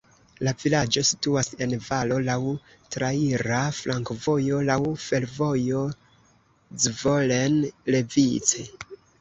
La vilaĝo situas en valo, laŭ traira flankovojo, laŭ fervojo Zvolen-Levice.